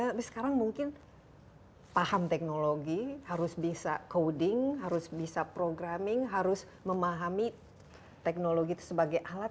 tapi sekarang mungkin paham teknologi harus bisa coding harus bisa programming harus memahami teknologi itu sebagai alat